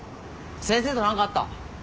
先生と何かあった？